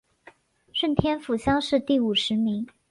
顺天府乡试第五十名。